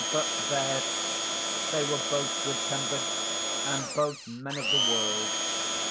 But there! they were both good tempered, and both men of the world.